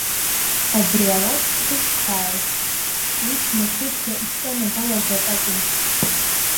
Абри алакә зхысҳәааз, ус машәыршәа исҿанагалаз акы акәым.